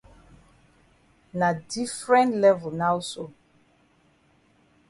Na different level now so.